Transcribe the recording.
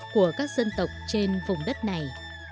của các dân tộc trên vùng đất này